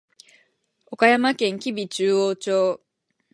岡山県吉備中央町